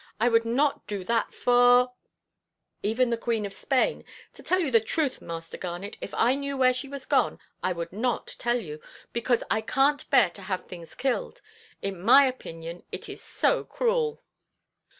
I would not do that for——" "Even the Queen of Spain. To tell you the truth, Master Garnet, if I knew where she was gone I would not tell you, because I canʼt bear to have things killed. In my opinion, it is so cruel."